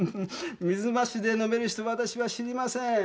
水なしで飲める人わたしは知りません。